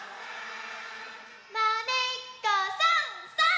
「まねっこさんさん」